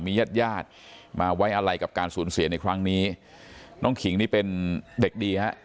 ญาติญาติมาไว้อะไรกับการสูญเสียในครั้งนี้น้องขิงนี่เป็นเด็กดีฮะ